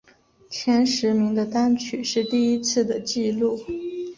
前十名的单曲是第一次的记录。